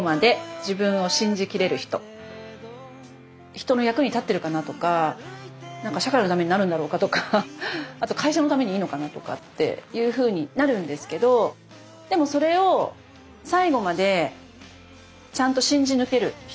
人の役に立ってるかなとか社会のためになるんだろうかとかあと会社のためにいいのかなとかっていうふうになるんですけどでもそれを最後までちゃんと信じ抜ける人。